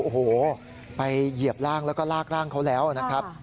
โอ้โหไปเหยียบร่างแล้วก็ลากร่างเขาแล้วนะครับ